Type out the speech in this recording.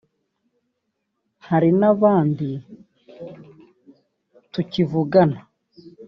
hari n’abandi tukivugana